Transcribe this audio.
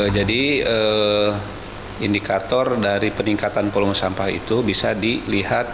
jadi indikator dari peningkatan volume sampah itu bisa dilihat